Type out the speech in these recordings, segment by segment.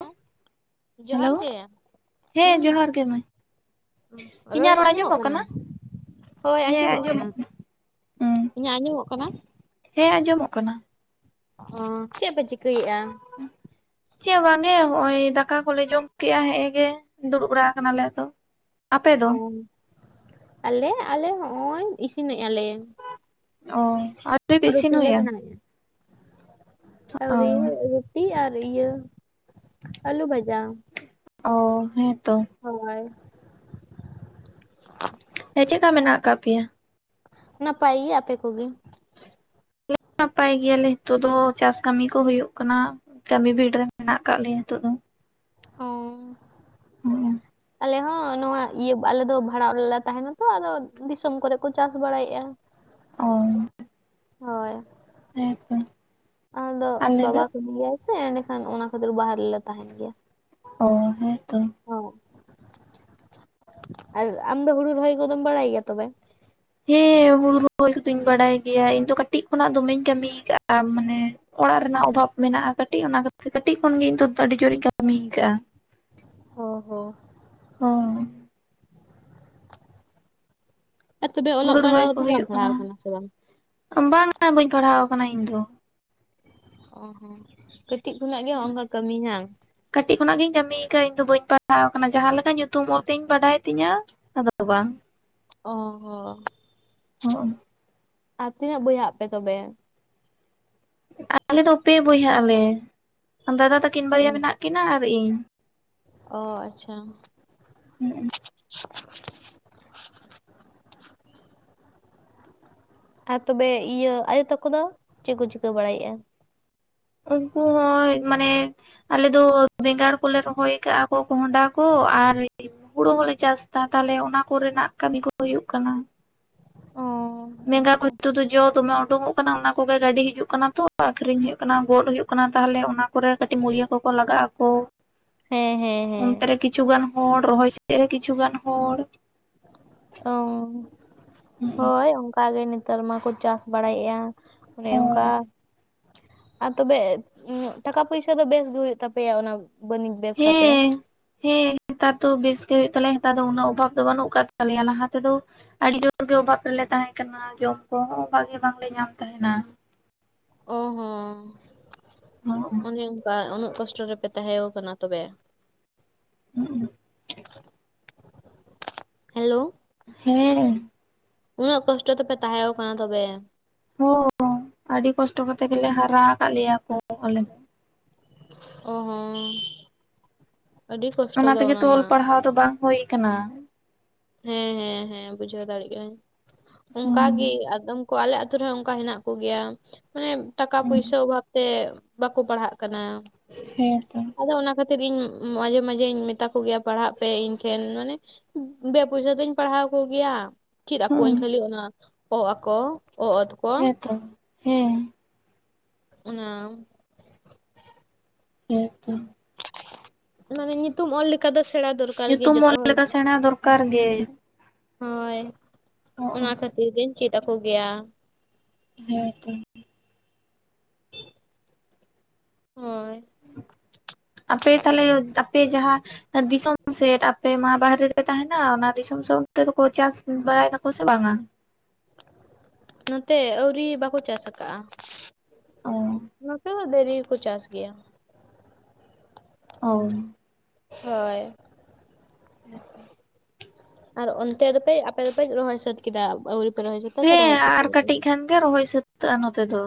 ᱚᱸ ᱦᱮᱞᱳ ᱦᱮᱸ ᱦᱩᱸ ᱡᱚᱦᱟᱨ ᱜᱮ ᱢᱟ ᱤᱧᱟᱜ ᱨᱚᱲ ᱟᱸᱡᱚᱢᱚᱜ ᱠᱟᱱᱟ? ᱦᱳᱭ ᱟᱸᱡᱚᱢᱚᱜ ᱠᱟᱱᱟ ᱦᱩᱸ ᱾ ᱤᱧᱟᱹᱜ ᱟᱸᱡᱚᱢᱚᱜ ᱠᱟᱱᱟ? ᱦᱮᱸ ᱟᱸᱡᱚᱢᱚᱜ ᱠᱟᱱᱟ᱾ ᱚᱻ ᱪᱮᱫ ᱯᱮ ᱪᱤᱠᱟᱹᱭᱮᱫᱼᱟ? [unintelligible] ᱪᱮᱫ ᱦᱚ ᱵᱟᱝ ᱜᱮ ᱱᱚᱜᱼᱚᱭ ᱫᱟᱠᱟ ᱠᱚᱞᱮ ᱡᱚᱢ ᱠᱮᱜᱼᱟ ᱦᱮᱸ ᱜᱮ ᱫᱩᱲᱩᱵ ᱵᱟᱲᱟ ᱟᱠᱟᱱᱟᱞᱮ ᱟᱫᱚ ᱟᱯᱮ ᱫᱚ? ᱚ ᱟᱞᱮ ᱟᱞᱮ ᱦᱚᱸᱜᱼᱚᱭ ᱤᱥᱤᱱᱮᱫᱼᱟ ᱞᱮ ᱚ ᱟᱹᱣᱨᱤ ᱯᱮ ᱤᱥᱤᱱ ᱨᱩᱴᱤ ᱞᱮ ᱦᱩᱭᱟ ᱵᱮᱱᱟᱣᱮᱜᱼᱟ ᱚ ᱟᱣᱨᱤ ᱨᱩᱴᱤ ᱟᱨ ᱤᱭᱟᱹ ᱟᱞᱩ ᱵᱷᱟᱡᱟ ᱚᱻ ᱦᱮᱸᱛᱚ ᱦᱳᱭ ᱦᱮᱸ ᱪᱮᱫᱠᱟ ᱢᱮᱱᱟᱜ ᱟᱠᱟᱫ ᱯᱮᱭᱟ? ᱱᱟᱯᱟᱭ ᱜᱮ ᱟᱯᱮ ᱠᱚᱜᱮ? ᱱᱟᱯᱟᱭ ᱜᱮᱭᱟᱞᱮ ᱱᱤᱛᱚᱜ ᱫᱚ ᱪᱟᱥ ᱠᱟᱹᱢᱤ ᱠᱚ ᱦᱩᱭᱩᱜ ᱠᱟᱱᱟ ᱠᱟᱹᱢᱤ ᱵᱷᱤᱲ ᱨᱮ ᱢᱮᱱᱟᱜ ᱟᱠᱟᱫ ᱞᱮᱭᱟ ᱱᱤᱛᱚᱜ ᱫᱚ ᱚᱻ ᱦᱚᱸ ᱟᱞᱮ ᱦᱚᱸ ᱱᱚᱣᱟ ᱤᱭᱟᱹ ᱟᱞᱮ ᱫᱚ ᱵᱷᱟᱲᱟ ᱨᱮᱞᱮ ᱛᱟᱦᱮᱱᱟ ᱛᱚ ᱟᱫᱚ ᱫᱤᱥᱚᱢ ᱠᱚᱨᱮ ᱠᱚ ᱪᱟᱥ ᱵᱟᱲᱟᱭᱮᱫᱼᱟ ᱚᱸᱻ ᱦᱳᱭ ᱦᱮ ᱛᱚ ᱟᱫᱚ ᱵᱟᱵᱟ ᱠᱟᱹᱢᱤ ᱜᱮᱭᱟᱭ ᱥᱮ ᱮᱸᱰᱮᱠᱷᱟᱱ ᱚᱱᱟ ᱠᱷᱟᱛᱤᱨ ᱵᱟᱦᱟᱨᱼᱼ ᱨᱮᱞᱮ ᱛᱟᱦᱮᱱ ᱜᱮᱭᱟ ᱚ ᱦᱮᱸᱛᱚ ᱦᱚᱸ ᱟᱨ ᱟᱢ ᱫᱚ ᱦᱩᱲᱩ ᱨᱚᱦᱚᱭ ᱠᱚᱫᱚᱢ ᱵᱟᱲᱟᱭ ᱜᱮᱭᱟ ᱛᱚᱵᱮ? ᱦᱮᱸ ᱦᱩᱲᱩ ᱨᱚᱦᱚᱭ ᱠᱚᱫᱚᱧ ᱵᱟᱲᱟᱭ ᱜᱮᱭᱟ ᱤᱧ ᱛᱚ ᱠᱟᱹᱴᱤᱡ ᱠᱷᱚᱱᱟᱜ ᱫᱚᱢᱮᱧ ᱠᱟᱹᱢᱤ ᱟᱠᱟᱜᱼᱟ ᱢᱟᱱᱮ ᱚᱲᱟᱜ ᱨᱮᱱᱟᱜ ᱚᱵᱷᱟᱵ ᱢᱮᱱᱟᱜᱼᱟ ᱠᱟᱹᱴᱤᱡ ᱚᱱᱟ ᱠᱷᱟᱹᱛᱤᱨ ᱠᱟᱹᱴᱤᱡ ᱠᱷᱚᱱᱜᱮ ᱤᱧ ᱫᱚ ᱟᱹᱰᱤ ᱡᱳᱨᱤᱧ ᱠᱟᱹᱢᱤ ᱟᱠᱟᱜᱼᱟ ᱚ ᱦᱚᱸ ᱦᱚᱸᱻ ᱟᱨ ᱛᱚᱵᱮ ᱦᱩᱲᱩ ᱚᱞᱚᱜ ᱨᱚᱦᱚᱭ ᱯᱟᱲᱦᱟᱣ ᱠᱚ ᱫᱚ ᱵᱟᱢ ᱦᱩᱭᱩᱜ ᱠᱟᱱᱟ ᱯᱟᱲᱦᱟᱣ ᱟᱠᱟᱱᱟ ᱥᱮ ᱵᱟᱝ? ᱵᱟᱝᱟ ᱵᱟᱹᱧ ᱯᱟᱲᱦᱟᱣ ᱟᱠᱟᱱᱟ ᱤᱧ ᱫᱚ ᱚ ᱦᱚᱸ ᱠᱟᱹᱴᱤᱡ ᱠᱷᱚᱱᱟᱜ ᱜᱮ ᱦᱚᱝᱠᱟ ᱠᱟᱹᱢᱤ ᱦᱟᱝ ᱠᱟᱹᱴᱤᱡ ᱠᱷᱚᱱᱟᱜ ᱜᱤᱧ ᱠᱟᱹᱢᱤᱭ ᱟᱠᱟᱫᱟ ᱤᱧ ᱫᱚ ᱵᱟᱹᱧ ᱯᱟᱲᱦᱟᱣ ᱟᱠᱟᱱᱟ ᱡᱟᱦᱟᱸ ᱞᱮᱠᱟ ᱧᱩᱛᱩᱢ ᱚᱞ ᱛᱮᱫ ᱤᱧ ᱵᱟᱰᱟᱭ ᱛᱤᱧᱟ ᱟᱫᱚ ᱵᱟᱝ ᱚᱻ ᱦᱚ ᱟᱨ ᱛᱤᱱᱟᱹᱜ ᱵᱚᱭᱦᱟᱜ ᱟᱯᱮ ᱛᱚᱵᱮ? ᱟᱞᱮ ᱫᱚ ᱯᱮ ᱵᱚᱭᱦᱟᱜ ᱟᱞᱮ ᱫᱟᱫᱟ ᱛᱟᱹᱠᱤᱱ ᱵᱟᱨᱭᱟ ᱦᱩᱸ ᱢᱮᱱᱟᱜ ᱠᱤᱱᱟᱹ ᱟᱨ ᱤᱧ ᱚ ᱟᱪᱪᱷᱟ ᱦᱮᱸ [inaudible] ᱟᱨ ᱛᱚᱵᱮ ᱤᱭᱟᱹ ᱟᱭᱳ ᱛᱟᱠᱚ ᱫᱚ ᱪᱮᱜ ᱠᱚ ᱪᱤᱠᱟᱹ ᱵᱟᱲᱟᱭᱮᱜᱼᱟ ᱩᱱᱠᱩ ᱦᱚᱸᱭ ᱢᱟᱱᱮ ᱟᱞᱮ ᱫᱚ ᱵᱮᱸᱜᱟᱲ ᱠᱚᱞᱮ ᱨᱚᱦᱚᱭ ᱟᱠᱟᱜᱼᱟ ᱠᱚ ᱠᱚᱸᱦᱰᱟ ᱠᱚ ᱟᱨ ᱦᱳᱲᱳ ᱦᱚᱞᱮ ᱪᱟᱥ ᱛᱟ ᱛᱟᱦᱞᱮ ᱚᱱᱟ ᱠᱚᱨᱮᱱᱟᱜ ᱠᱟᱹᱢᱤ ᱠᱚ ᱦᱳᱭᱳᱜ ᱠᱟᱱᱟ ᱚ ᱢᱮᱸᱜᱟ [unintelligible] ᱠᱚ ᱟᱪᱪᱷᱟ ᱛᱚᱫᱚ [unintelligible] ᱫᱚᱢᱮ ᱳᱰᱳᱧᱚᱜ ᱦᱳᱭᱳᱜ ᱠᱟᱱᱟ ᱚᱱᱟ ᱠᱚᱜᱮ ᱜᱟᱹᱰᱤ ᱦᱤᱡᱩᱜ ᱠᱟᱱᱟ ᱛᱚ ᱟᱠᱷᱨᱤᱧ ᱦᱳᱭᱳᱜ ᱠᱟᱱᱟ ᱜᱚᱫ ᱦᱳᱭᱤᱜ ᱠᱟᱱᱟ ᱛᱟᱦᱚᱞᱮ ᱚᱱᱟ ᱠᱚᱨᱮ ᱠᱟᱹᱴᱤᱡ ᱢᱩᱞᱤᱭᱟᱹ ᱠᱚᱠᱚ ᱞᱟᱜᱟᱜ ᱟᱠᱚ ᱦᱮᱸ ᱦᱮᱸ ᱦᱮᱸ ᱚᱱᱛᱮ ᱨᱮ ᱠᱤᱪᱷᱩ ᱜᱟᱱ ᱦᱚᱲ ᱨᱚᱦᱚᱭ ᱥᱮᱜ ᱨᱮ ᱠᱤᱪᱷᱩ ᱜᱟᱱ ᱦᱚᱲ ᱚ ᱦᱳᱭ ᱚᱱᱠᱟ ᱜᱮ ᱱᱮᱛᱟᱨ ᱢᱟᱠᱚ ᱪᱟᱥ ᱵᱟᱲᱟᱭᱮᱜᱼᱟ ᱚᱱᱮ ᱚᱝᱠᱟ ᱦᱳᱭ ᱟᱨ ᱛᱚᱵᱮ ᱴᱟᱠᱟ ᱯᱩᱭᱥᱟ ᱫᱚ ᱵᱮᱥᱜᱮ ᱦᱩᱭᱩᱜ ᱛᱟᱯᱮᱭᱟ ᱚᱱᱟ ᱵᱟᱹᱱᱤᱡᱽ ᱵᱮᱵᱽᱥᱟ ᱛᱮ? ᱦᱮᱸ ᱦᱮᱸ ᱱᱮᱛᱟᱨ ᱫᱚ ᱵᱮᱥ ᱜᱮ ᱦᱳᱭᱳᱜ ᱛᱟᱞᱮᱭᱟ ᱦᱮᱸᱛᱟᱨ ᱫᱚ ᱩᱱᱟᱹᱜ ᱚᱵᱷᱟᱵᱽ ᱫᱚ ᱵᱟᱹᱱᱩᱜ ᱟᱠᱟᱫ ᱛᱟᱞᱮᱭᱟ ᱞᱟᱦᱟ ᱛᱮᱫᱚ ᱟᱹᱰᱤ ᱡᱳᱨ ᱜᱮ ᱚᱵᱷᱟᱵᱽ ᱨᱮᱞᱮ ᱛᱟᱦᱮᱸ ᱠᱟᱱᱟ ᱡᱚᱢ ᱠᱚᱦᱚᱸ ᱵᱷᱟᱜᱮ ᱵᱟᱝᱞᱮ ᱧᱟᱢ ᱛᱟᱦᱮᱱᱟ ᱳ ᱦᱚᱸ ᱦᱚ [inaudible] ᱚᱱᱮ ᱚᱱᱠᱟ ᱩᱱᱟᱹᱜ ᱠᱚᱥᱴᱚ ᱨᱮᱯᱮ ᱛᱟᱦᱮᱸᱭᱚ ᱠᱟᱱᱟ ᱛᱚᱵᱮ ᱦᱩᱸ ᱦᱮᱞᱳ ᱦᱮᱸ ᱩᱱᱟᱹᱜ ᱠᱚᱥᱴᱚ ᱛᱮᱯᱮ ᱛᱟᱦᱮᱸᱣᱚ ᱠᱟᱱᱟ ᱛᱚᱵᱮ ᱦᱳ ᱟᱹᱰᱤ ᱠᱚᱥᱴᱚ ᱠᱟᱛᱮ ᱜᱮᱞᱮ ᱦᱟᱨᱟ ᱟᱠᱟᱫ ᱞᱮᱭᱟ ᱠᱚ ᱟᱞᱮ ᱫᱚ ᱚ ᱦᱚᱸ ᱟᱹᱰᱤ ᱠᱚᱥᱴᱚ ᱚᱱᱟ ᱫᱚ ᱛᱮᱜᱮᱛᱚ ᱢᱟ ᱚᱞ ᱯᱟᱲᱦᱟᱣ ᱫᱚ ᱵᱟᱝ ᱦᱳᱭ ᱠᱟᱱᱟ ᱦᱮᱸ ᱦᱮᱸ ᱦᱮᱸ ᱵᱩᱡᱷᱟᱹᱣ ᱫᱟᱲᱮᱭᱟᱜ ᱠᱟᱹᱱᱟᱹᱧ ᱦᱩᱸ ᱚᱱᱠᱟ ᱜᱤ ᱟᱫᱚᱢ ᱟᱞᱮ ᱟᱛᱳ ᱨᱮᱦᱚ ᱚᱝᱠᱟ ᱦᱮᱱᱟᱜ ᱠᱚᱜᱮᱭᱟ ᱢᱟᱱᱮ ᱴᱟᱠᱟ ᱯᱩᱭᱥᱟ ᱚᱵᱷᱟᱵᱽ ᱛᱮ ᱵᱟᱠᱚ ᱯᱟᱲᱦᱟᱜ ᱠᱟᱱᱟ ᱦᱮᱸ ᱦᱮ ᱟᱫᱚ ᱚᱱᱟ ᱠᱷᱟᱹᱛᱤᱨ ᱜᱤᱧ ᱢᱟᱡᱷᱮ ᱢᱟᱡᱷᱮᱧ ᱢᱮᱛᱟ ᱠᱚᱜᱮᱭᱟ ᱯᱟᱲᱦᱟᱜ ᱯᱮ ᱤᱧ ᱴᱷᱮᱱ ᱢᱟᱱᱮ ᱵᱮ ᱯᱚᱭᱥᱟ ᱛᱮᱧ ᱯᱟᱲᱦᱟᱣ ᱠᱚᱜᱮᱭᱟ ᱪᱮᱫ ᱦᱩᱸ ᱟᱠᱚᱣᱟᱹᱧ ᱠᱷᱟᱹᱞᱤ ᱚᱱᱟ ᱚ ᱟ ᱠᱚ ᱚ ᱚᱛ ᱠᱚ ᱦᱮᱸᱛᱚ ᱦᱮᱸ ᱚᱱᱟ ᱦᱮᱸ ᱛᱚ ᱢᱟᱱᱮ ᱧᱩᱛᱩᱢ ᱚᱞ ᱞᱮᱠᱟ ᱫᱚ ᱥᱮᱬᱟ ᱫᱚᱨᱠᱟᱨ ᱜᱮ ᱡᱚᱛᱚ ᱦᱚᱲ ᱠᱟᱨ ᱜᱮ ᱦᱳᱭ ᱚᱱᱟ ᱠᱷᱟᱹᱛᱤᱨ ᱜᱮᱧ ᱪᱮᱫ ᱟᱠᱚ ᱜᱮᱭᱟ ᱦᱮ ᱦᱮ ᱦᱳᱭ ᱟᱯᱮ ᱛᱟᱦᱚᱞᱮ ᱟᱯᱮ ᱡᱟᱦᱟ ᱫᱤᱥᱚᱢ ᱥᱮᱫ ᱟᱯᱮ ᱢᱟ ᱵᱟᱦᱨᱮ ᱨᱮ ᱯᱮ ᱛᱟᱦᱮᱱᱟ ᱚᱱᱟ ᱫᱤᱥᱚᱢ ᱥᱮᱫ ᱛᱮᱫ ᱠᱚ ᱪᱟᱥ ᱵᱟᱲᱟᱭ ᱫᱟᱠᱚ ᱥᱮ ᱵᱟᱝᱟ? ᱱᱚᱛᱮ ᱟᱹᱣᱨᱤ ᱵᱟᱠᱚ ᱪᱟᱥ ᱚ ᱠᱟᱜᱼᱟ ᱵᱷᱨᱤ ᱦᱚᱠ ᱪᱟᱥ ᱜᱮᱭᱟ ᱚ ᱦᱳᱭ [inaudible] ᱟᱨ ᱚᱱᱛᱮ ᱫᱚᱯᱮ ᱟᱯᱮ ᱫᱚᱯᱮ ᱨᱚᱦᱚᱭ ᱥᱟᱹᱛ ᱠᱮᱫᱟᱣ ᱦᱮᱸ ᱟᱨ ᱠᱟᱹᱴᱤᱡ ᱠᱷᱟᱱ ᱜᱮ ᱨᱚᱦᱚᱭ ᱥᱟᱹᱛᱟᱹᱜᱼᱟ ᱱᱚᱛᱮ ᱫᱚ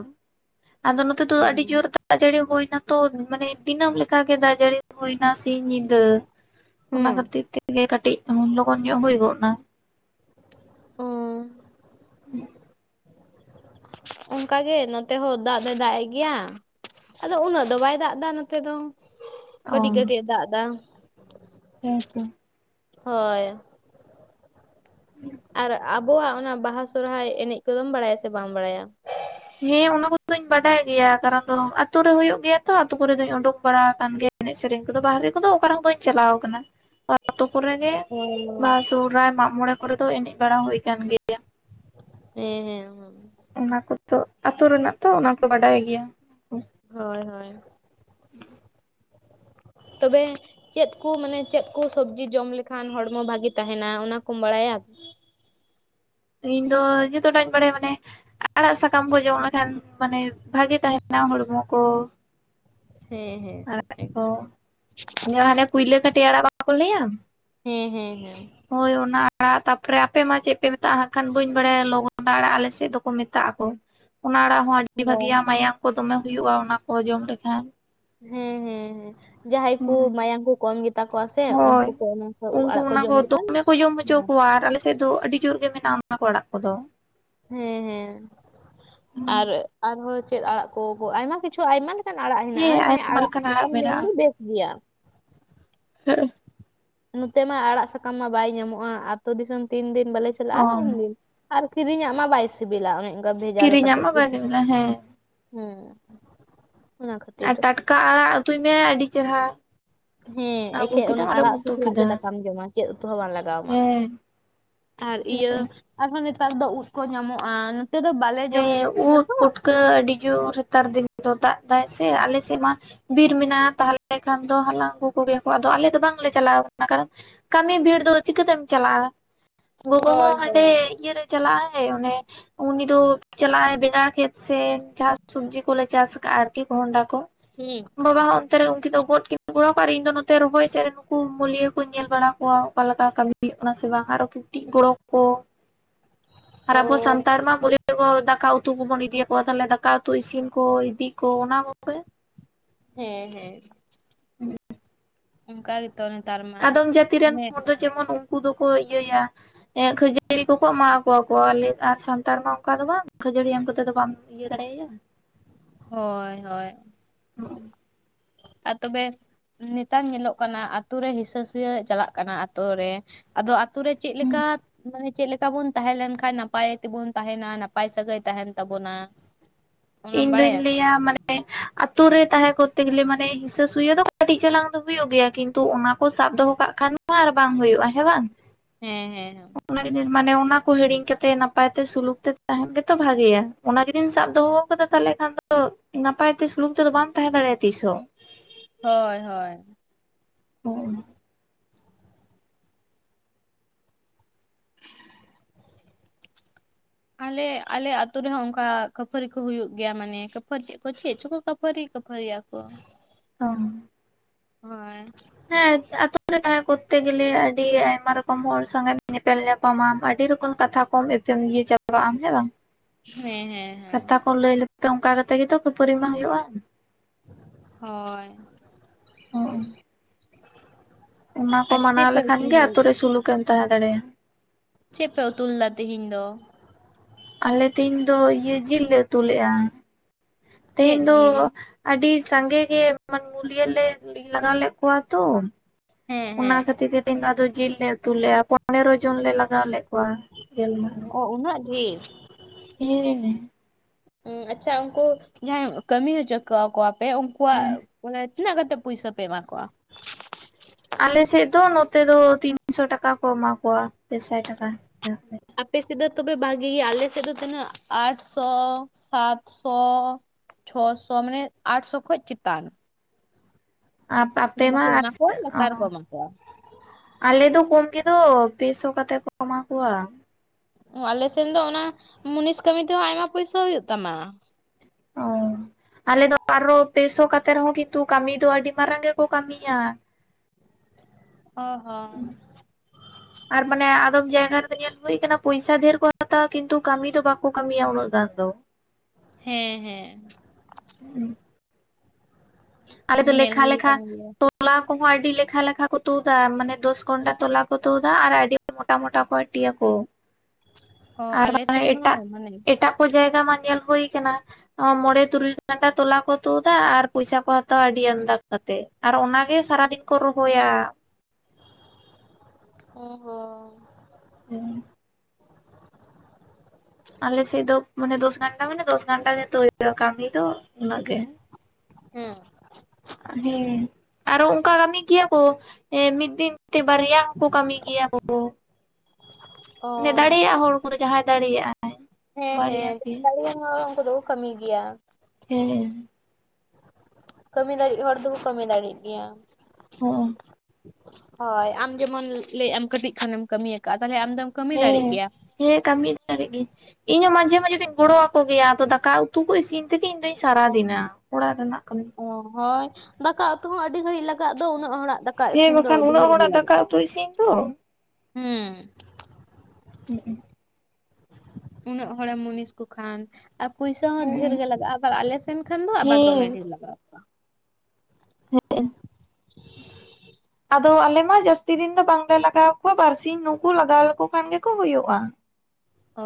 ᱟᱫᱚ ᱱᱚᱛᱮ ᱫᱚ ᱟᱹᱰᱤ ᱡᱩᱨ ᱫᱟᱜᱼᱼ ᱡᱟᱹᱲᱤ ᱦᱩᱭ ᱮᱱᱟ ᱛᱚ ᱢᱟᱱᱮ ᱫᱤᱱᱟᱹᱢ ᱞᱮᱠᱟᱜᱮ ᱫᱟᱜ ᱡᱟᱹᱲᱤ ᱦᱩᱭ ᱮᱱᱟ ᱥᱤᱧ ᱧᱤᱫᱟᱹ ᱚᱱᱟ ᱦᱩᱸ ᱠᱷᱟᱹᱛᱤᱨ ᱛᱮᱜᱮ ᱠᱟᱹᱴᱤᱡ ᱞᱚᱜᱚᱱ ᱧᱚᱜ ᱦᱩᱭ ᱜᱚᱫ ᱮᱱᱟ ᱚ ᱦᱮᱸ ᱚᱱᱠᱟ ᱜᱮ ᱱᱚᱛᱮ ᱦᱚᱸ ᱫᱟᱜ ᱫᱚᱭ ᱫᱟᱜᱮᱫ ᱜᱮᱭᱟ ᱟᱫᱚ ᱩᱱᱟᱹᱜ ᱫᱚ ᱵᱟᱭ ᱫᱟᱜ ᱮᱫᱟ ᱱᱚᱛᱮ ᱫᱚ ᱚ ᱠᱟᱹᱴᱤᱡ ᱠᱟᱹᱴᱤᱡᱼ ᱮ ᱫᱟᱜ ᱮᱫᱟ ᱦᱮᱸ ᱛᱚ ᱦᱳᱭ [inaudible] ᱟᱨ ᱟᱵᱚᱣᱟᱜ ᱚᱱᱟ ᱵᱟᱦᱟ ᱥᱚᱦᱨᱟᱭ ᱮᱱᱮᱡ ᱠᱚᱫᱚᱢ ᱵᱟᱲᱟᱭᱟ ᱥᱮ ᱵᱟᱢ ᱵᱟᱲᱟᱭᱟ ᱦᱮᱸ ᱚᱱᱟ ᱠᱚᱫᱚᱧ ᱵᱟᱰᱟᱭ ᱜᱮᱭᱟ ᱠᱟᱨᱚᱱ ᱫᱚ ᱟᱹᱛᱳ ᱨᱮ ᱦᱩᱭᱩᱜ ᱜᱮᱭᱟ ᱛᱚ ᱟᱹᱛᱳ ᱠᱚᱨᱮ ᱫᱚᱧ ᱩᱰᱩᱠ ᱵᱟᱲᱟ ᱟᱠᱟᱱ ᱜᱮᱭᱟ ᱮᱱᱮᱡ ᱥᱮᱨᱮᱧ ᱠᱚᱫᱚ ᱵᱟᱦᱨᱮ ᱠᱚᱫᱚ ᱚᱠᱟ ᱨᱮᱦᱚᱸ ᱵᱟᱹᱧ ᱪᱟᱞᱟᱣ ᱟᱠᱟᱱᱟ ᱟᱹᱛᱳ ᱠᱚᱨᱮ ᱜᱮ ᱚ ᱵᱟᱦᱟ ᱥᱚᱦᱨᱟᱭ ᱢᱟᱜ ᱢᱚᱬᱮ ᱠᱚᱨᱮ ᱫᱚ ᱮᱱᱮᱡ ᱵᱟᱲᱟ ᱦᱩᱭ ᱟᱠᱟᱱ ᱜᱮᱭᱟ ᱦᱮᱸ ᱦᱮᱸ ᱦᱚᱸ ᱚᱱᱟ ᱠᱚᱛᱚ ᱟᱹᱛᱳ ᱨᱮᱱᱟᱜ ᱛᱚ ᱚᱱᱟᱠᱚ ᱵᱟᱰᱟᱭ ᱜᱮᱭᱟ ᱦᱳᱭ ᱦᱳᱭ [inaudible] ᱛᱚᱵᱮ ᱪᱮᱫ ᱠᱚ ᱢᱟᱱᱮ ᱪᱮᱫ ᱠᱚ ᱥᱚᱵᱽᱡᱤ ᱡᱚᱢ ᱞᱮᱠᱷᱟᱱ ᱦᱚᱲᱢᱚ ᱵᱷᱟᱹᱜᱤ ᱛᱟᱦᱮᱱᱟ ᱚᱱᱟ ᱠᱚᱢ ᱵᱟᱲᱟᱭᱟ ᱤᱧ ᱫᱚ ᱡᱚᱛᱚᱴᱟᱜ ᱤᱧ ᱵᱟᱲᱟᱭᱟ ᱢᱟᱱᱮ ᱟᱲᱟᱜ ᱥᱟᱠᱟᱢ ᱠᱚ ᱡᱚᱢ ᱞᱮᱠᱷᱟᱱ ᱢᱟᱱᱮ ᱵᱷᱟᱹᱜᱤ ᱛᱟᱦᱮᱱᱟ ᱦᱚᱲᱢᱚ ᱠᱚ ᱦᱮᱸ ᱦᱮᱸ ᱟᱲᱟᱜ ᱦᱮᱸ ᱠᱚ ᱦᱟᱱᱮ ᱯᱩᱭᱞᱟᱹ ᱠᱟᱹᱴᱤᱡ ᱟᱲᱟᱜ ᱵᱟᱠᱚ ᱞᱟᱹᱭᱟ ᱦᱮᱸ ᱦᱮᱸ ᱦᱮᱸᱻ ᱦᱳᱭ ᱚᱱᱟ ᱟᱲᱟᱜ ᱛᱟᱯᱚᱨᱮ ᱟᱯᱮ ᱢᱟ ᱪᱮᱫ ᱯᱮ ᱢᱮᱛᱟᱜᱼᱟ ᱦᱟᱸᱜ ᱠᱷᱟᱱ ᱵᱟᱹᱧ ᱵᱟᱲᱟᱭᱟ ᱞᱚᱜᱚᱱᱟ ᱟᱲᱟᱜ ᱟᱞᱮ ᱥᱮᱫ ᱫᱚᱠᱚ ᱢᱮᱛᱟᱜᱼᱟ ᱠᱚ ᱚᱱᱟ ᱟᱲᱟᱜ ᱦᱚᱸ ᱟᱹᱰᱤ ᱦᱮᱸ ᱵᱷᱟᱹᱜᱤᱭᱟ ᱢᱟᱭᱟᱝ ᱠᱚ ᱫᱚᱢᱮ ᱦᱩᱭᱩᱜᱼᱟ ᱚᱱᱟ ᱠᱚ ᱡᱚᱢ ᱞᱮᱠᱷᱟᱱ ᱦᱮᱸ ᱦᱮᱸ ᱦᱮᱸ ᱡᱟᱦᱟᱭ ᱠᱩ ᱢᱟᱭᱟᱝ ᱠᱚ ᱠᱚᱢ ᱜᱮᱛᱟᱠᱚᱣᱟ ᱥᱮ ᱦᱳᱭ᱾ ᱩᱱᱠᱩ ᱠᱚ ᱮᱢᱟ ᱠᱚᱣᱟ ᱩᱱᱠᱩ ᱟᱲᱟᱜ ᱠᱚ ᱚᱱᱟ ᱡᱚᱢ ᱞᱮᱠᱷᱟᱱ ᱫᱚᱢᱮ ᱠᱚ ᱡᱚᱢ ᱦᱚᱪᱚ ᱠᱚᱣᱟ ᱟᱨ ᱟᱞᱮ ᱥᱮᱫ ᱫᱚ ᱟᱹᱰᱤ ᱡᱳᱨ ᱜᱮ ᱢᱮᱱᱟᱜᱼᱟ ᱚᱱᱟ ᱠᱚ ᱟᱲᱟᱜ ᱠᱚᱫᱚ ᱦᱮᱸ ᱦᱮᱸ ᱟᱨ ᱟᱨᱦᱚᱸ ᱪᱮᱫ ᱟᱲᱟᱜ ᱠᱚ [unintelligible] ᱟᱭᱢᱟ ᱠᱤᱪᱷᱩ ᱟᱭᱢᱟ ᱞᱮᱠᱟᱱ ᱟᱲᱟᱜ ᱦᱮᱸ ᱦᱮᱱᱟᱜᱼᱟ ᱢᱟᱱᱮ ᱟᱲᱟᱜ ᱥᱟᱠᱟᱢ ᱡᱚᱢ ᱫᱚ ᱵᱮᱥ ᱜᱮᱭᱟ ᱦᱮᱸᱜᱼᱮᱻ ᱱᱚᱛᱮ ᱢᱟ ᱟᱲᱟᱜ ᱥᱟᱠᱟᱢ ᱢᱟ ᱵᱟᱭ ᱧᱟᱢᱚᱜᱼᱟ ᱟᱹᱛᱳ ᱫᱤᱥᱚᱢ ᱛᱤᱱ ᱫᱤᱱ ᱵᱟᱞᱮ ᱚ ᱪᱟᱞᱟᱜᱼᱟ ᱩᱱᱫᱤᱱ ᱟᱨ ᱠᱤᱨᱤᱧᱟᱜ ᱢᱟ ᱵᱟᱭ ᱥᱤᱵᱤᱞᱟ ᱚᱱᱮ ᱚᱱᱠᱟ [unintelligible] ᱠᱤᱨᱤᱧᱟᱜ ᱠᱟᱛᱮᱫ ᱢᱟ ᱠᱚ ᱵᱟᱞᱮ ᱢᱮᱱᱟ ᱦᱮᱸ᱾ ᱦᱩᱸᱻ ᱟᱨ ᱴᱟᱴᱠᱟ ᱟᱲᱟᱜ ᱩᱛᱩᱭ ᱢᱮ ᱟᱹᱰᱤ ᱪᱮᱨᱦᱟ ᱦᱮᱸ ᱟᱹᱜᱩ ᱮᱠᱷᱮ ᱚᱱᱟ ᱠᱮᱫᱟᱢ ᱟᱨᱮᱢ ᱟᱲᱟᱜ ᱩᱛᱩ ᱥᱟᱞᱟᱜ ᱜᱮ ᱠᱮᱫᱟ ᱫᱟᱠᱟᱢ ᱡᱚᱢᱟ ᱪᱮᱫ ᱩᱛᱩ ᱦᱚᱸ ᱵᱟᱝ ᱞᱟᱜᱟᱣᱟᱢᱟ ᱦᱮᱸ᱾ ᱟᱨ ᱤᱭᱟᱹ ᱟᱨᱦᱚᱸ ᱱᱮᱛᱟᱨ ᱫᱚ ᱩᱫ ᱠᱚ ᱧᱟᱢᱚᱜ-ᱟ ᱱᱚᱛᱮ ᱫᱚ ᱵᱟᱞᱮ ᱡᱚᱢ ᱟᱠᱟᱫᱟ ᱛᱚ ᱠᱟᱹ ᱟᱹᱰᱤ ᱡᱳᱨ ᱦᱮᱛᱟᱨ ᱫᱤᱱ ᱫᱚ ᱫᱟᱜ ᱮᱫᱟᱭ ᱥᱮ ᱟᱞᱮ ᱥᱮᱫ ᱢᱟ ᱵᱤᱨ ᱢᱮᱱᱟᱜ-ᱟ ᱛᱟᱦᱟᱞᱮ ᱠᱷᱟᱱ ᱫᱚ ᱦᱟᱞᱟᱝ ᱟᱹᱜᱩ ᱠᱚᱜᱮᱭᱟᱠᱚ ᱟᱫᱚ ᱟᱞᱮ ᱫᱚ ᱵᱟᱝᱞᱮ ᱪᱟᱞᱟᱣᱟᱠᱟᱱᱟ ᱠᱟᱨᱚᱱ ᱠᱟᱹᱢᱤ ᱵᱷᱤᱲ ᱫᱚ ᱪᱤᱠᱟᱹ ᱛᱮᱢ ᱪᱟᱞᱟᱜ-ᱟ ᱜᱳᱜᱳ ᱦᱚᱸ ᱦᱳᱭ ᱦᱟᱸᱰᱮ ᱦᱳᱭ ᱤᱭᱟᱹ ᱨᱮ ᱪᱟᱞᱟᱜ-ᱟᱭ ᱚᱱᱮ ᱩᱱᱤ ᱫᱚ ᱪᱟᱞᱟᱜ ᱟᱭ ᱵᱮᱸᱜᱟᱲ ᱠᱷᱮᱛ ᱥᱮ ᱪᱟᱥ ᱥᱚᱵᱽᱡᱤ ᱠᱚᱞᱮ ᱪᱟᱥ ᱟᱠᱟᱜ-ᱟ ᱟᱨᱠᱤ ᱠᱚᱸᱦᱰᱟ ᱠᱚ ᱦᱮᱸ ᱵᱟᱵᱟ ᱦᱚᱸ ᱱᱚᱛᱮ ᱨᱮ ᱩᱱᱠᱤᱱ ᱫᱚ ᱜᱚᱫ ᱠᱤᱱ ᱜᱚᱲᱚᱣᱟᱠᱚᱣᱟ ᱟᱨ ᱤᱧ ᱫᱚ ᱱᱚᱛᱮ ᱨᱚᱦᱚᱭ ᱥᱮᱫ ᱨᱮ ᱱᱩᱠᱩ ᱢᱩᱞᱤᱭᱟᱹ ᱠᱚᱧ ᱧᱮᱞ ᱵᱟᱲᱟ ᱠᱚᱣᱟ ᱚᱠᱟ ᱞᱮᱠᱟ ᱠᱟᱹᱢᱤ ᱦᱩᱭᱩᱜ ᱠᱟᱱᱟ ᱥᱮ ᱵᱟᱝ ᱟᱨᱦᱚᱸ ᱠᱟᱹᱴᱤᱡ ᱜᱚᱲᱚ ᱠᱚ ᱟᱨ ᱚ ᱟᱵᱚ ᱥᱟᱱᱛᱟᱲ ᱢᱟ ᱵᱚᱞᱮ ᱫᱟᱠᱟ ᱩᱛᱩ ᱠᱚᱵᱚᱱ ᱤᱫᱤᱭᱟᱠᱚᱣᱟ ᱛᱟᱦᱟᱞᱮ ᱫᱟᱠᱟ ᱩᱛᱩ ᱤᱥᱤᱱ ᱠᱚ ᱤᱫᱤ ᱠᱚ ᱚᱱᱟ ᱠᱚᱜᱮ ᱦᱮᱸ ᱦᱮᱸ [unintelligible] ᱚᱱᱠᱟ ᱜᱮ ᱟᱫᱚᱢ ᱡᱟᱹᱛᱤ ᱨᱮᱱ ᱦᱚᱲ ᱫᱚ ᱡᱮᱢᱚᱱ ᱩᱱᱠᱩ ᱫᱚᱠᱚ ᱤᱭᱟᱹᱭᱟ ᱠᱷᱟᱹᱡᱟᱹᱲᱤ ᱠᱚᱠᱚ ᱮᱢᱟ ᱠᱚᱣᱟ ᱠᱚ ᱟᱞᱮ ᱟᱨ ᱥᱟᱱᱛᱟᱲ ᱢᱟ ᱚᱱᱠᱟ ᱫᱚ ᱵᱟᱝ ᱠᱷᱟᱹᱡᱟᱹᱲᱤ ᱮᱢ ᱠᱟᱛᱮᱫ ᱫᱚ ᱵᱟᱢ ᱤᱭᱟᱹ ᱫᱟᱲᱮᱭᱟ ᱦᱳᱭ ᱦᱳᱭ ᱟᱨ ᱛᱚᱵᱮ ᱱᱮᱛᱟᱨ ᱧᱮᱞᱚᱜ ᱠᱟᱱᱟ ᱟᱛᱳ ᱨᱮ ᱦᱤᱥᱟᱹ ᱥᱩᱭᱟᱹ ᱪᱟᱞᱟᱜ ᱠᱟᱱᱟ ᱟᱛᱳ ᱨᱮ ᱟᱫᱚ ᱟᱛᱩ ᱨᱮ ᱪᱮᱫ ᱞᱮᱠᱟ ᱢᱟᱱᱮ ᱪᱮᱫ ᱞᱮᱠᱟ ᱵᱚᱱ ᱛᱟᱦᱮᱸ ᱞᱮᱱᱠᱷᱟᱱ ᱱᱟᱯᱟᱭ ᱛᱮᱵᱚᱱ ᱛᱟᱦᱮᱱᱟ ᱱᱟᱯᱟᱭ ᱥᱟᱹᱜᱟᱹᱭ ᱛᱟᱦᱮᱱ ᱛᱟᱵᱚᱱᱟ ᱚᱱᱟᱢ ᱤᱧ ᱫᱩᱧ ᱵᱟᱲᱟᱭᱟ ᱞᱟᱹᱭᱟ ᱢᱟᱱᱮ ᱟᱛᱳ ᱨᱮ ᱛᱟᱦᱮᱸ ᱠᱚᱨᱛᱮ ᱜᱮᱞᱮ ᱢᱟᱱᱮ ᱦᱤᱥᱟᱹ ᱥᱩᱭᱟᱹ ᱫᱚ ᱠᱟᱹᱴᱤᱡ ᱪᱮᱞᱟᱝ ᱫᱚ ᱦᱩᱭᱩᱜ ᱜᱮᱭᱟ ᱠᱤᱱᱛᱩ ᱚᱱᱟ ᱠᱚ ᱥᱟᱵ ᱫᱚᱦᱚ ᱠᱟᱜ ᱠᱷᱟᱱ ᱢᱟ ᱟᱨ ᱵᱟᱝ ᱦᱩᱭᱩᱜ-ᱟ ᱦᱮᱸ ᱵᱟᱝ ᱦᱮᱸ ᱦᱮᱸ ᱚᱱᱟ ᱢᱟᱱᱮ ᱚᱱᱟ ᱠᱚ ᱦᱤᱲᱤᱧ ᱠᱟᱛᱮᱜ ᱱᱟᱯᱟᱭ ᱛᱮ ᱥᱩᱞᱩᱠ ᱛᱮ ᱛᱟᱦᱮᱱ ᱜᱮᱛᱚ ᱵᱷᱟᱜᱮᱭᱟ ᱚᱱᱟ ᱡᱩᱫᱤᱢ ᱥᱟᱵ ᱫᱚᱦᱚ ᱠᱟᱫᱟ ᱛᱟᱦᱟᱞᱮ ᱠᱷᱟᱱ ᱫᱚ ᱱᱟᱯᱟᱭ ᱛᱮ ᱥᱩᱞᱩᱠ ᱛᱮᱫᱚ ᱵᱟᱢ ᱛᱟᱦᱮᱸ ᱫᱟᱲᱮᱭᱟᱜ-ᱟ ᱛᱤᱥ ᱦᱚᱸ ᱦᱳᱭ ᱦᱳᱭ [unintelligible] ᱟᱞᱮ ᱟᱞᱮ ᱟᱛᱳ ᱨᱮᱦᱚᱸ ᱚᱱᱠᱟ ᱠᱷᱟᱹᱯᱟᱹᱨᱤ ᱠᱚ ᱦᱩᱭᱩᱜ ᱜᱮᱭᱟ ᱢᱟᱱᱮ ᱠᱷᱟᱹᱯᱟᱹᱨᱤ ᱠᱚ ᱪᱮᱫ ᱪᱚᱠᱚ ᱠᱷᱟᱹᱯᱟᱹᱨᱤ ᱠᱷᱟᱹᱯᱟᱹᱨᱤ ᱟᱠᱚ ᱚ ᱦᱳᱭ ᱦᱮᱸ ᱟᱛᱳ ᱨᱮ ᱛᱟᱦᱮᱸᱠᱚᱨᱛᱮ ᱜᱮᱞᱮ ᱟᱹᱰᱤ ᱟᱭᱢᱟ ᱨᱚᱠᱚᱢ ᱦᱚᱲ ᱥᱚᱝᱜᱮᱢ ᱧᱮᱯᱮᱞ ᱧᱟᱯ ᱧᱟᱯᱟᱢᱟ ᱟᱹᱰᱤ ᱨᱚᱠᱚᱢ ᱠᱟᱛᱷᱟ ᱠᱚᱢ ᱮᱯᱮᱢ ᱤᱭᱟᱹ ᱪᱟᱯᱟᱞ ᱟᱢ ᱦᱮᱸ ᱵᱟᱝ ᱦᱮᱸ ᱦᱮᱸ ᱦᱮᱸ ᱠᱟᱛᱷᱟ ᱠᱚ ᱞᱟᱹᱭ ᱞᱟᱹᱭ ᱛᱮ ᱚᱱᱠᱟ ᱠᱟᱛᱮᱫ ᱜᱮᱛᱚ ᱠᱷᱟᱹᱯᱟᱹᱨᱤ ᱢᱟ ᱦᱩᱭᱩᱜ-ᱟ ᱦᱳᱭ ᱦᱚᱸᱜ-ᱚ ᱚᱱᱟ ᱠᱚ ᱟᱨ ᱪᱮᱫ ᱢᱟᱱᱟᱣ ᱯᱮ ᱞᱮᱠᱷᱟᱱ ᱩᱛᱩ ᱜᱮ ᱟᱛᱳ ᱨᱮ ᱥᱩᱞᱩᱠ ᱠᱮᱢ ᱛᱟᱦᱮᱸ ᱫᱟᱲᱮᱭᱟ ᱪᱮᱫ ᱯᱮ ᱩᱛᱩ ᱞᱮᱫᱟ ᱛᱤᱦᱤᱧ ᱫᱚ ᱟᱞᱮ ᱛᱮᱦᱮᱧ ᱫᱚ ᱤᱭᱟᱹ ᱡᱤᱞ ᱞᱮ ᱩᱛᱩ ᱞᱮᱫ-ᱟ᱾ ᱛᱮᱦᱮᱧ ᱪᱮᱫ ᱫᱚ ᱡᱤᱞ ᱟᱹᱰᱤ ᱥᱟᱸᱜᱮ ᱜᱮ ᱢᱟᱱᱮ ᱢᱩᱞᱤᱭᱟᱹ ᱞᱮ ᱞᱟᱜᱟᱣ ᱞᱮᱫ ᱠᱚᱣᱟ ᱛᱚ ᱦᱮᱸ ᱚᱱᱟ ᱦᱮᱸ ᱠᱷᱟᱹᱛᱤᱨ ᱛᱮ ᱛᱮᱦᱮᱧ ᱫᱚ ᱟᱫᱚ ᱡᱤᱞ ᱞᱮ ᱩᱛᱩ ᱞᱮᱫ-ᱟ ᱯᱚᱱᱮᱨᱚ ᱡᱚᱱ ᱞᱮ ᱞᱟᱜᱟᱣ ᱞᱮᱫ ᱠᱚᱣᱟ ᱜᱮᱞ ᱢᱚᱦ ᱩᱱᱟᱹᱜ ᱰᱷᱮᱨ ᱦᱮᱸ ᱦᱮᱸ ᱟᱪᱪᱷᱟ ᱩᱱᱠᱩ ᱡᱟᱦᱟᱸᱭ ᱠᱟᱹᱢᱤ ᱦᱚᱪᱚ ᱠᱚᱣᱟ ᱯᱮ ᱦᱮᱸ ᱩᱱᱠᱩᱣᱟᱜ [unintelligible] ᱛᱤᱱᱟᱹᱜ ᱠᱟᱛᱮ ᱯᱩᱭᱥᱟ ᱯᱮ ᱮᱢᱟ ᱠᱚᱣᱟ ᱟᱞᱮᱥᱮᱫ ᱫᱚ ᱱᱚᱛᱮ ᱫᱚ ᱛᱤᱱᱥᱚ ᱴᱟᱠᱟ ᱠᱚ ᱮᱢᱟ ᱠᱚᱣᱟ ᱯᱮ ᱥᱟᱭ ᱴᱟᱠᱟ ᱟᱯᱮ ᱥᱮᱫ ᱫᱚ ᱛᱚᱵᱮ ᱵᱷᱟᱜᱮ ᱜᱮᱭᱟ ᱟᱞᱮ ᱥᱮᱫ ᱫᱚ ᱛᱤᱱᱟᱹᱜ ᱟᱴᱥᱚ ᱥᱟᱛ ᱥᱚ ᱪᱷᱚᱥᱚ ᱢᱟᱱᱮ ᱟᱴᱥᱚ ᱠᱷᱚᱡ ᱪᱮᱛᱟᱱ ᱟᱯᱮ ᱢᱟ, ᱵᱟᱠᱚ ᱮᱢᱟ ᱠᱚᱣᱟ ᱚ ᱞᱟᱛᱟᱨ ᱠᱚ ᱮᱢᱟ ᱠᱚᱣᱟ ᱟᱞᱮ ᱫᱚ ᱠᱚᱢ ᱜᱮ ᱫᱚ ᱯᱮ ᱥᱚ ᱠᱟᱛᱮ ᱠᱚ ᱮᱢᱟ ᱠᱚᱣᱟ ᱾ ᱟᱞᱮ ᱥᱮᱱ ᱫᱚ ᱚᱱᱟ ᱢᱩᱱᱤᱥ ᱠᱟᱹᱢᱤ ᱛᱮᱦᱚᱸ ᱟᱭᱢᱟ ᱯᱚᱭᱥᱟᱹ ᱦᱩᱭᱩᱜ ᱛᱟᱢᱟ ᱾ ᱚ ᱟᱞᱮ ᱫᱚ ᱟᱨᱚ ᱯᱮᱥᱚ ᱠᱟᱛᱮ ᱨᱮᱦᱚᱸ ᱠᱤᱱᱛᱩ ᱠᱟᱹᱢᱤ ᱫᱚ ᱟᱹᱰᱤ ᱢᱟᱨᱟᱝ ᱜᱮᱠᱚ ᱠᱟᱹᱢᱤᱭᱟ ᱾ [inaudible] ᱦᱚᱸ ᱦᱚᱸ ᱾ ᱟᱨ ᱢᱟᱱᱮ ᱟᱫᱚᱢ ᱡᱟᱭᱜᱟ ᱨᱮᱫᱚ ᱧᱮᱞ ᱦᱳ ᱟᱠᱟᱱᱟ ᱯᱚᱭᱥᱟᱹ ᱰᱷᱮᱨ ᱠᱚ ᱦᱟᱛᱟᱣᱟ, ᱠᱤᱱᱛᱩ ᱠᱟᱹᱢᱤ ᱫᱚ ᱵᱟᱠᱚ ᱠᱟᱹᱢᱤᱭᱟ ᱩᱱᱟᱹᱜ ᱜᱟᱱ ᱫᱚ ᱾ [inaudible] ᱦᱮᱸ ᱦᱮᱸ ᱾ ᱦᱩᱸ ᱾ [inaudible] ᱦᱩᱸ, ᱧᱮᱞ ᱦᱩᱭ ᱞᱮᱠᱷᱟ ᱠᱟᱱ ᱜᱮᱭᱟ ᱾ ᱛᱚᱞᱟ ᱠᱚᱦᱚᱸ ᱟᱹᱰᱤ ᱞᱮᱠᱷᱟ ᱞᱮᱠᱷᱟ ᱠᱚ ᱛᱩᱫᱟ ᱢᱟᱱᱮ ᱫᱚᱥ ᱜᱚᱱᱰᱟ ᱛᱚᱞᱟ ᱠᱚ ᱛᱩᱫᱟ ᱟᱨ ᱟᱹᱰᱤ ᱢᱚᱴᱟ ᱢᱚᱴᱟ ᱠᱚ ᱟᱹᱴᱤᱭᱟᱠᱚ ᱚ ᱾ ᱟᱨ ᱟᱞᱮ ᱵᱟᱝ ᱥᱮᱱ ᱦᱚᱸ ᱮᱴᱟᱜ ᱢᱟᱱᱮ ᱮᱴᱟᱜ ᱡᱟᱭᱜᱟ ᱢᱟ ᱧᱮᱞ ᱦᱩᱭ ᱟᱠᱟᱱᱟ ᱢᱚᱲᱮ ᱛᱩᱨᱩᱭ ᱜᱷᱚᱱᱴᱟ ᱛᱚᱞᱟ ᱠᱚ ᱛᱩᱫᱟ ᱟᱨ ᱯᱚᱭᱥᱟ ᱠᱚ ᱦᱟᱛᱟᱣᱟ ᱟᱹᱰᱤ ᱟᱢᱫᱟ ᱠᱟᱛᱮ ᱟᱨ ᱚᱱᱟ ᱜᱮ ᱥᱟᱨᱟ ᱫᱤᱱ ᱠᱚ ᱨᱚᱦᱚᱭᱟ ᱾ ᱚ ᱦᱚᱸ ᱾ ᱦᱮᱸ ᱾ ᱟᱞᱮ ᱥᱮ ᱫᱚ ᱢᱟᱱᱮ ᱫᱚᱥ ᱜᱟᱱᱰᱟ ᱢᱟᱱᱮ ᱫᱚᱥ ᱜᱟᱱᱰᱟ ᱜᱮ ᱛᱩᱫ ᱠᱟᱹᱢᱤ ᱫᱚ ᱚᱱᱟ ᱜᱮ ᱦᱮᱸ ᱾ ᱦᱮᱸ, ᱟᱨᱚ ᱚᱱᱠᱟ ᱠᱟᱹᱢᱤ ᱜᱮᱭᱟ ᱠᱚ, ᱦᱮᱸ ᱢᱤᱫ ᱫᱤᱱ ᱛᱮ ᱵᱟᱨᱭᱟ ᱦᱚᱸᱠᱚ ᱠᱟᱹᱢᱤ ᱜᱮᱭᱟ ᱠᱚ ᱾ ᱚ ᱮ ᱫᱟᱲᱮᱭᱟᱜᱼᱟ ᱦᱚᱲ ᱠᱚ ᱫᱚ ᱡᱟᱦᱟᱸᱭ ᱫᱟᱲᱮᱭᱟᱜᱼᱟᱭ ᱾ ᱦᱮᱸ ᱦᱮᱸ, ᱡᱟᱦᱟᱸ ᱫᱟᱲᱮᱭᱟᱱ ᱦᱚᱲ ᱩᱱᱠᱩ ᱫᱚᱠᱚ ᱠᱟᱹᱢᱤ ᱜᱮᱭᱟ ᱾ ᱦᱮᱸ ᱾ ᱠᱟᱹᱢᱤ ᱫᱟᱲᱮᱜ ᱦᱚᱲ ᱫᱚᱠᱚ ᱠᱟᱹᱢᱤ ᱫᱟᱲᱮᱜ ᱜᱮᱭᱟ ᱾ ᱦᱚᱸ᱾ ᱦᱳᱭ, ᱟᱢ ᱡᱮᱢᱚᱱ ᱞᱟᱹᱭᱮᱫ ᱟᱢ ᱠᱟᱹᱴᱤᱡ ᱠᱷᱟᱱᱮᱢ ᱠᱟᱹᱢᱤᱭᱟ ᱟᱠᱟᱫᱼᱟ ᱾ ᱛᱟᱦᱞᱮ ᱟᱢ ᱫᱚᱢ ᱠᱟᱹᱢᱤ ᱦᱮᱸ, ᱫᱟᱲᱮᱜ ᱜᱮᱭᱟ ᱦᱮᱸ ᱠᱟᱹᱢᱤ ᱫᱟᱲᱮ ᱜᱮ ᱾ ᱤᱧ ᱦᱚᱸ ᱢᱟᱡᱷᱮ ᱢᱟᱡᱷᱮ ᱫᱚᱧ ᱜᱚᱲᱚ ᱟᱠᱚ ᱜᱮᱭᱟ, ᱟᱫᱚ ᱫᱟᱠᱟ ᱩᱛᱩ ᱠᱚ ᱤᱥᱤᱱ ᱛᱮᱜᱮ ᱤᱧ ᱫᱩᱧ ᱥᱟᱨᱟᱫᱤᱱᱟ ᱾ ᱚᱲᱟᱜ ᱨᱮᱱᱟᱜ ᱠᱟᱹᱢᱤ ᱾ ᱚ ᱦᱳᱭ, ᱫᱟᱠᱟ ᱩᱛᱩ ᱦᱚᱸ ᱟᱹᱰᱤ ᱜᱷᱟᱹᱲᱤᱡ ᱞᱟᱜᱟᱜ ᱫᱚ ᱩᱱᱟᱹᱜ ᱦᱚᱲᱟᱜ ᱫᱟᱠᱟ ᱦᱮᱸ ᱤᱥᱤᱱ ᱫᱚ ᱵᱟᱠᱷᱟᱱ ᱟᱹᱰᱤ ᱩᱱᱟᱹᱜ ᱜᱷᱟᱹᱲᱤᱡ ᱜᱮ ᱦᱚᱲᱟᱜ ᱫᱟᱠᱟ ᱞᱟᱜᱟᱜᱼᱟ ᱾ ᱩᱛᱩ ᱤᱥᱤᱱ ᱛᱚ ᱦᱩᱸ ᱦᱮᱸ ᱾ ᱩᱱᱟᱹᱜ ᱦᱚᱲᱮᱢ ᱢᱩᱱᱤᱥ ᱠᱚ ᱠᱷᱟᱱ, ᱟᱨ ᱯᱩᱭᱥᱟ ᱦᱚᱸ ᱰᱷᱮᱨ ᱜᱮ ᱞᱟᱜᱟᱜᱼᱟ, ᱟᱵᱟᱨ ᱟᱞᱮ ᱥᱮᱱ ᱠᱷᱟᱱ ᱫᱚ ᱟᱵᱟᱨ ᱫᱚᱢᱮ ᱦᱮᱸ ᱰᱷᱮᱨ ᱞᱟᱜᱟᱜᱼᱟ ᱾ ᱦᱮᱸ, ᱟᱫᱚ ᱟᱞᱮ ᱢᱟ ᱡᱟᱹᱥ ᱛᱤ ᱫᱤᱱ ᱫᱚ ᱵᱟᱝᱞᱮ ᱞᱟᱜᱟᱣ ᱠᱚᱣᱟ, ᱵᱟᱨᱥᱤ ᱱᱩᱠᱩ ᱞᱟᱜᱟᱣ ᱞᱮᱠᱚ ᱠᱷᱟᱱ ᱜᱮᱠᱚ ᱦᱩᱭᱩᱜᱼᱟ ᱾ ᱚ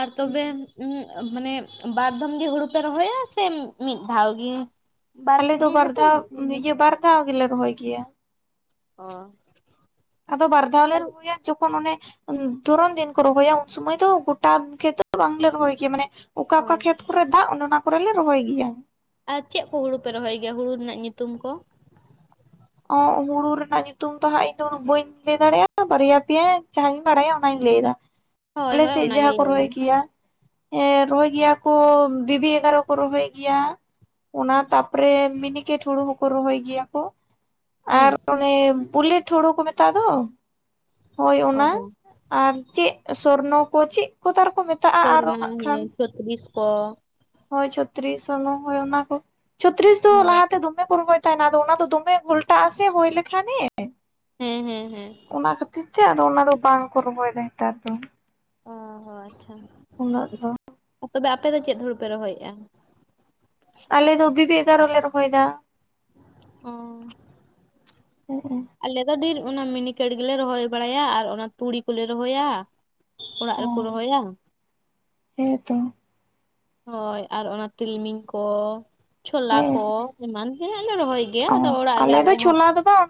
ᱟᱨ ᱛᱚᱵᱮ ᱩ ᱢᱟᱱᱮ ᱵᱟᱨᱫᱚᱢ ᱜᱮ ᱦᱩᱲᱩ ᱯᱮ ᱨᱚᱦᱚᱭᱟ, ᱥᱮ ᱢᱤᱫ ᱫᱷᱟᱣ ᱜᱮ ᱾ ᱟᱞᱮ ᱫᱚ ᱵᱟᱨ ᱫᱷᱟᱹᱣ ᱤᱭᱟᱹ ᱵᱟᱨ ᱫᱷᱟᱹᱣ ᱜᱮᱞᱮ ᱨᱚᱦᱚᱭ ᱜᱮᱭᱟ ᱾ ᱚ ᱾ ᱟᱫᱚ ᱵᱟᱨ ᱫᱷᱟᱹᱣ ᱞᱮ ᱨᱚᱦᱚᱭᱟ ᱾ ᱡᱚᱠᱷᱚᱱ ᱚᱱᱮ ᱫᱷᱚᱨᱚᱱ ᱫᱤᱱ ᱠᱚ ᱨᱚᱦᱚᱭᱟ ᱩᱱ ᱥᱚᱢᱚᱭ ᱫᱚ ᱜᱚᱴᱟ ᱠᱷᱮᱛ ᱵᱟᱝᱞᱮ ᱨᱚᱦᱚᱭ ᱜᱮᱭᱟ ᱢᱟᱱᱮ ᱾ ᱚᱠᱟ ᱚᱠᱟ ᱦᱳᱭ ᱠᱷᱮᱛ ᱠᱚᱨᱮ ᱫᱟᱜ ᱚᱱᱮ ᱚᱱᱟ ᱠᱚᱨᱮ ᱞᱮ ᱨᱚᱦᱚᱭ ᱜᱮᱭᱟ ᱾ ᱟᱨ ᱪᱮᱫ ᱠᱚ ᱦᱩᱲᱩ ᱯᱮ ᱨᱚᱦᱚᱭ ᱜᱮᱭᱟ? ᱦᱩᱲᱩ ᱨᱮᱱᱟᱜ ᱧᱩᱛᱩᱢ ᱠᱚ ᱾ ᱚ‌ ᱦᱩᱲᱩ ᱨᱮᱱᱟᱜ ᱧᱩᱛᱩᱢ ᱫᱚ ᱦᱟᱸᱜ ᱤᱧ ᱫᱚ ᱩᱱᱟᱹᱜ ᱵᱟᱹᱧ ᱞᱟᱹᱭ ᱫᱟᱲᱮᱭᱟᱜᱼᱟ ᱵᱟᱨᱭᱟ ᱯᱮᱭᱟ ᱡᱟᱦᱟᱸ ᱵᱟᱲᱟᱭᱟ ᱚᱱᱟᱧ ᱞᱟᱹᱭᱫᱟ ᱦᱳᱭ ᱟᱞᱮ ᱦᱳᱭ ᱥᱮᱫ ᱚᱱᱟᱜᱮ ᱡᱟᱦᱟᱸ ᱠᱚ ᱞᱟᱹᱭ ᱢᱮ ᱨᱚᱦᱚᱭ ᱜᱮᱭᱟ ᱦᱮᱸ ᱨᱚᱦᱚᱭ ᱜᱮᱭᱟ ᱠᱚ ᱵᱤᱵᱤ ᱮᱜᱟᱨᱚ ᱠᱚ ᱨᱚᱦᱚᱭ ᱜᱮᱭᱟ ᱚᱱᱟ ᱛᱟᱯᱚᱨᱮ ᱢᱤᱱᱤᱠᱮᱴ ᱦᱩᱲᱩ ᱦᱚᱸᱠᱚ ᱨᱚᱦᱚᱭ ᱜᱮᱭᱟ ᱠᱚ ᱦᱩᱸ ᱟᱨ ᱚᱱᱮ ᱵᱩᱞᱮᱴ ᱦᱩᱲᱩ ᱠᱚ ᱢᱮᱛᱟᱜ ᱫᱚ ᱦᱳᱭ ᱚ ᱚᱱᱟ ᱦᱚᱸ ᱟᱨ ᱪᱮᱫ ᱥᱚᱨᱱᱚ ᱠᱚ ᱪᱮᱫ ᱠᱚ ᱛᱟᱨᱠᱚ ᱢᱮᱛᱟᱜᱼᱟ ᱟᱨᱦᱚ ᱥᱚᱨᱱᱟ ᱦᱟᱜ ᱠᱷᱟᱱ [inaudible] ᱠᱚ ᱦᱳᱭ ᱪᱷᱚᱛᱨᱤᱥ ᱦᱚᱭ ᱚᱱᱟ ᱠᱚ ᱪᱷᱚᱛᱨᱤᱥ ᱫᱚ ᱦᱳᱭ ᱞᱟᱦᱟᱛᱮ ᱫᱚᱢᱮ ᱠᱚ ᱨᱚᱦᱚᱭ ᱛᱟᱦᱮᱸᱱᱟ ᱟᱫᱚ ᱚᱱᱟ ᱫᱚ ᱫᱚᱢᱮ ᱜᱷᱚᱞᱴᱟ ᱟᱥᱮ ᱦᱚᱭ ᱞᱮᱠᱷᱟᱱᱮ ᱦᱮᱸ ᱦᱮᱸ ᱦᱮᱸ ᱚᱱᱟ ᱠᱷᱟᱹᱛᱤᱨ ᱛᱮ ᱟᱫᱚ ᱚᱱᱟ ᱫᱚ ᱵᱟᱝ ᱠᱚ ᱨᱚᱦᱚᱭᱮᱫᱟ ᱱᱮᱛᱟᱨ ᱫᱚ ᱚ ᱟᱪᱪᱷᱟ ᱩᱱᱟᱹᱜ ᱫᱚ ᱾ ᱛᱚᱵᱮ ᱟᱯᱮ ᱫᱚ ᱪᱮᱫ ᱦᱩᱲᱩ ᱯᱮ ᱨᱚᱦᱚᱭᱮᱫᱼᱟ? ᱟᱞᱮ ᱫᱚ ᱵᱤᱵᱤ ᱮᱜᱟᱨ ᱞᱮ ᱨᱚᱦᱚᱭᱮᱫᱟ ᱾ ᱚ ᱦᱩᱸ ᱟᱞᱮ ᱫᱚ ᱰᱷᱮᱨ ᱚᱱᱟ ᱢᱤᱱᱤᱠᱮᱴ ᱜᱮᱞᱮ ᱨᱚᱦᱚᱭ ᱵᱟᱲᱟᱭᱟ ᱟᱨ ᱚᱱᱟ ᱛᱩᱲᱤ ᱠᱚᱞᱮ ᱨᱚᱦᱚᱭᱟ ᱚᱲᱟᱜ ᱚ ᱨᱮᱠᱚ ᱨᱚᱦᱚᱭᱟ ᱦᱮᱸᱛᱚ ᱦᱳᱭ ᱟᱨ ᱚᱱᱟ ᱛᱤᱞᱢᱤᱧ ᱠᱚ ᱪᱷᱳᱞᱟ ᱦᱮᱸ ᱠᱚ ᱮᱢᱟᱱ ᱛᱮᱱᱟᱜ ᱞᱮ ᱨᱚᱦᱚᱭ ᱜᱮᱭᱟ ᱚ ᱟᱫᱚ ᱚᱲᱟᱜ ᱨᱮ ᱫᱚ ᱟᱞᱮ ᱦᱚᱸ ᱪᱷᱳᱞᱟ ᱫᱚ ᱵᱟᱝ